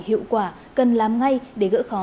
hiệu quả cần làm ngay để gỡ khó